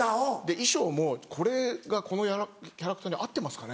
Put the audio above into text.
衣装もこれがこのキャラクターに合ってますかね？